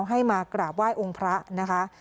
ให้มากราบไหว้องค์พระนะคะ